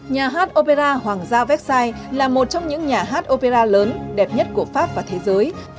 nhà hát opera hoàng gia vecsai là một trong những nhà hát opera lớn đẹp nhất của pháp và thế giới